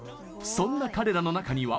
そんな彼らの中には。